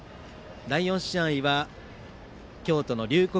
第４試合は京都の龍谷